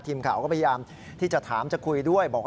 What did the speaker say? ทีมข่าวก็พยายามที่จะถามจะคุยด้วยบอก